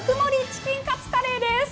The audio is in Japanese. チキンカツカレーです！